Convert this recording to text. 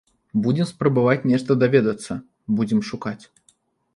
Будзем спрабаваць нешта даведацца, будзем шукаць.